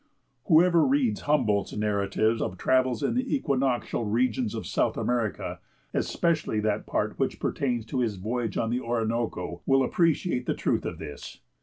Whoever reads Humboldt's narrative of travels in the equinoctial regions of South America, especially that part which pertains to his voyage on the Orinoco, will appreciate the truth of this.